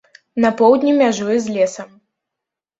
На поўдні мяжуе з лесам.